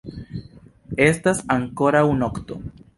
Estas ankoraŭ nokto.